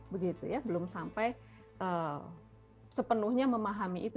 belum sampai sepenuhnya memahami itu